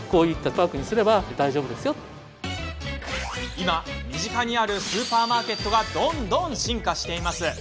今、身近にあるスーパーマーケットがどんどん進化しています。